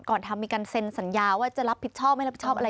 ทำมีการเซ็นสัญญาว่าจะรับผิดชอบไม่รับผิดชอบอะไร